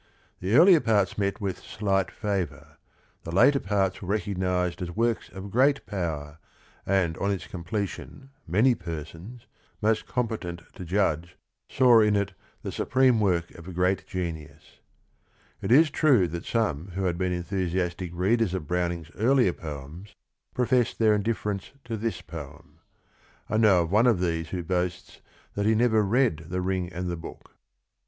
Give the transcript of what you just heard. The earlier parts met with slight favor; the later parts were recognized as works of great power, and on its completion many persons, most competent to judge, saw in it the supreme work of a great genius. It is true that some who had been enthusiastic readers of Browning's earlier poems professed their indiffer ence to this poem. I know of one of these who boasts that he never read The Ring and the Book.